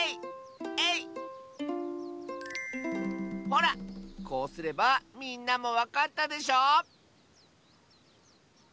ほらこうすればみんなもわかったでしょ？